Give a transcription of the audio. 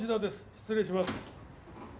失礼します。